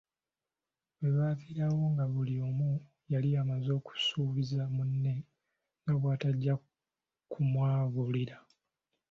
We baaviiraawo nga buli omu yali amaze okusuubiza munne nga bwatajja kumwabulira.